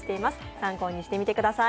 参考にしてみてください。